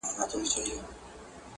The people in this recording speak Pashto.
شرموښ له انسان څخه قميص روغ نه کاږي.